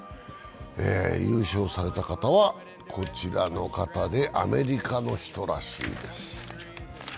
優勝された方は、こちらの方でアメリカの人らしいです。